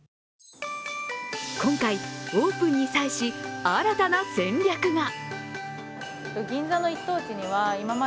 今回、オープンに際し新たな戦略が。